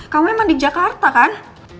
kamu emang di jakarta kan